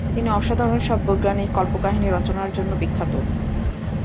তিনি অসাধারণ সব বৈজ্ঞানিক কল্পকাহিনী রচনার জন্য বিখ্যাত।